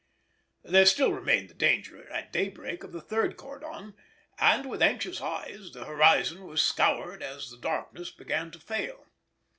There still remained the danger at daybreak of the third cordon, and with anxious eyes the horizon was scoured as the darkness began to fail.